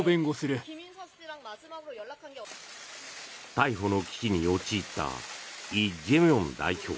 逮捕の危機に陥ったイ・ジェミョン代表。